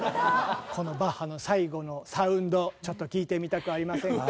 このバッハの最後のサウンドちょっと聴いてみたくありませんか？